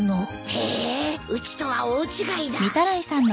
へえうちとは大違いだ。